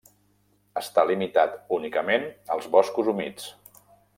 Està limitat únicament als boscos humits.